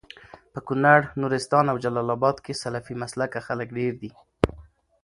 په کونړ، نورستان او جلال اباد کي سلفي مسلکه خلک ډير دي